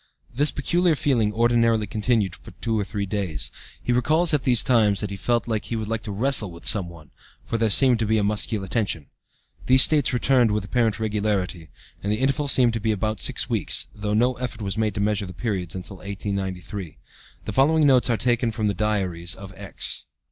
This peculiar feeling ordinarily continued for two or three days. He recalls at these times that he felt that he would like to wrestle with some one, for there seemed to be a muscular tension. These states returned with apparent regularity, and the intervals seemed to be about six weeks, though no effort was made to measure the periods until 1893. The following notes are taken from the diaries of X.